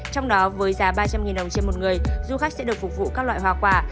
trong đó với giá ba trăm linh đồng trên một người du khách sẽ được phục vụ các loại hoa quả